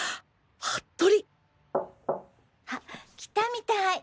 服部！あっ来たみたい！